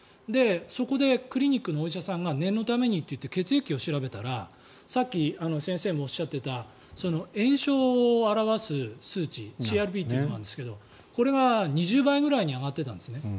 そこでクリニックのお医者さんが念のためにと言って血液を調べたらさっき先生もおっしゃっていた炎症を表す数値ＣＲＰっていうのがあるんですがこれが２０倍ぐらいに上がっていたんですね。